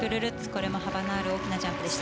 これも幅のある大きなジャンプでした。